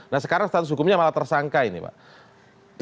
nah sekarang status hukumnya malah tersangkai nih pak